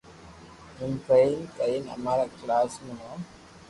ايم ڪرين ڪرين امارو ڪلاس مي نوم